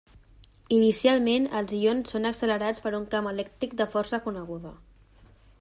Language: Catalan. Inicialment, els ions són accelerats per un camp elèctric de força coneguda.